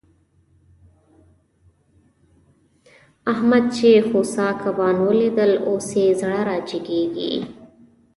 احمد چې خوسا کبان وليدل؛ اوس يې زړه را جيګېږي.